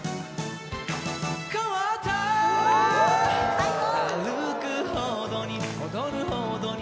・最高！